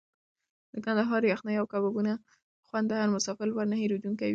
د کندهاري یخني او کبابونو خوند د هر مسافر لپاره نه هېرېدونکی وي.